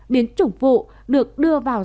biến chủng vụ được đưa vào